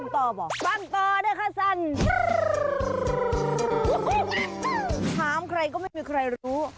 ถามใครก็ไม่คิดว่า